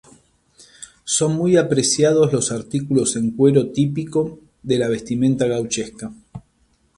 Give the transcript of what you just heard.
Son muy apreciados los artículos en cuero típico de la vestimenta gauchesca.